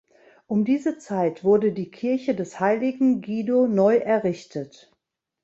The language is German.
Um diese Zeit wurde die Kirche des heiligen Guido neu errichtet.